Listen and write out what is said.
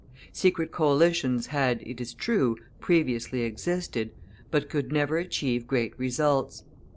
Secret coalitions had, it is true, previously existed, but could never achieve great results.